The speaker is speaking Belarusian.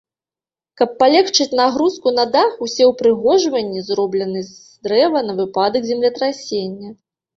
Каб палегчыць нагрузку на дах усе ўпрыгожванні зроблены з дрэва на выпадак землетрасення.